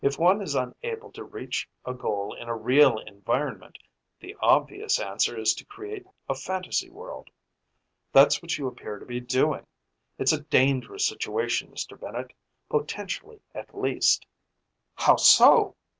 If one is unable to reach a goal in a real environment, the obvious answer is to create a fantasy world. That's what you appear to be doing. It's a dangerous situation, Mr. Bennett. Potentially, at least." "How so?"